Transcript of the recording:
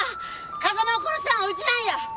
風間を殺したんはうちなんや！